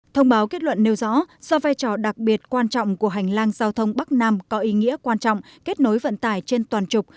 thông báo kết luận nêu rõ do vai trò đặc biệt quan trọng của hành lang giao thông bắc nam có ý nghĩa quan trọng kết nối vận tải trên toàn trục